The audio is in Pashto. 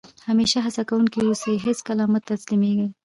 همېشه هڅه کوونکی اوسى؛ هېڅ کله مه تسلیمېږي!